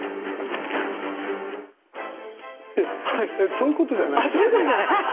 そういうことじゃないよね。